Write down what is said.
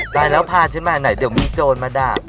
ตายแล้วพาชั้นไปไหนเดี๋ยวพี่โจรดมาดับ